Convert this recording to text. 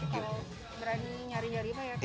kalau berani nyari nyari mah ya